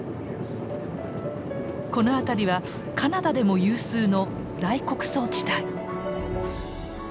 この辺りはカナダでも有数の大穀倉地帯。